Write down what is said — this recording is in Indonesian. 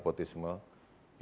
beri kesempatan nepotisme